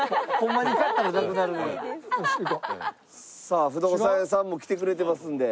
さあ不動産屋さんも来てくれてますので。